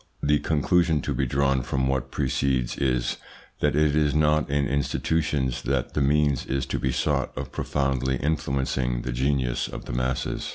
The conclusion to be drawn from what precedes is, that it is not in institutions that the means is to be sought of profoundly influencing the genius of the masses.